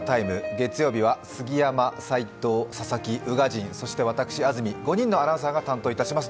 月曜日は杉山、齋藤、佐々木、宇賀神、そして私、安住５人のアナウンサーが担当します。